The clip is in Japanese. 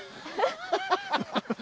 ハハハハ！